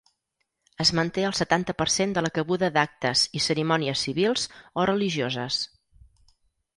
Es manté el setanta per cent de la cabuda d’actes i cerimònies civils o religioses.